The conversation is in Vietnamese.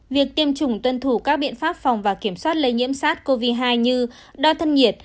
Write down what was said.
việc tiêm chủng tuân thủ các biện pháp phòng và kiểm soát lây nhiễm sát covid một mươi chín như đo thân nhiệt